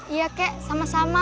iya kek sama sama